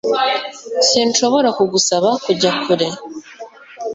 Sinshobora kugusaba kujya kure